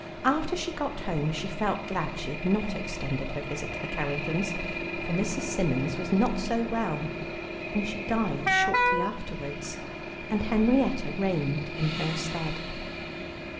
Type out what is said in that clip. After she got home, she felt glad she had not extended her visit to the Carringtons, for Mrs. Symons was not so well, and she died shortly afterwards, and Henrietta reigned in her stead.